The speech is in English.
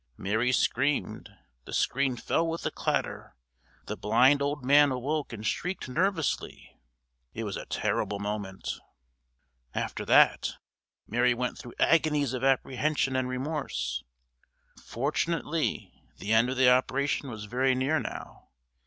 Mary screamed, the screen fell with a clatter, the blind old man awoke and shrieked nervously it was a terrible moment. After that Mary went through agonies of apprehension and remorse. Fortunately the end of the operation was very near now.